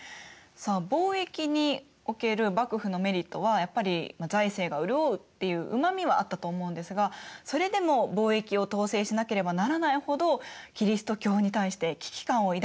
さあ貿易における幕府のメリットはやっぱり財政が潤うっていううまみはあったと思うんですがそれでも貿易を統制しなければならないほどキリスト教に対して危機感を抱いてたっていうことなんでしょうか？